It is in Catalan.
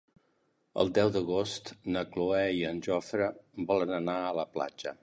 El deu d'agost na Cloè i en Jofre volen anar a la platja.